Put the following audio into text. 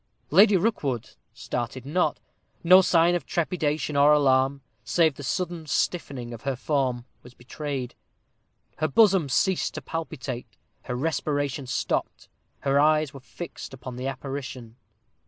Lady Rookwood started not. No sign of trepidation or alarm, save the sudden stiffening of her form, was betrayed. Her bosom ceased to palpitate her respiration stopped her eyes were fixed upon the apparition.